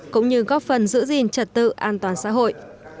cũng như góp phần giữ gìn trật tự an toàn xã hội